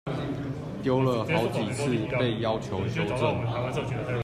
丟了好幾次被要求修正